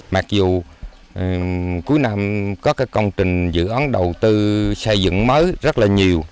mặc dù cuối năm có các công trình dự án đầu tư xây dựng mới rất là nhiều